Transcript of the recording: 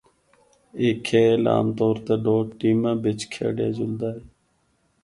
اے کھیل عام طور تے دو ٹیماں بچ کھیڈیا جلدا اے۔